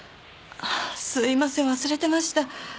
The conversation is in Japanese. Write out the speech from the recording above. すいません忘れてました。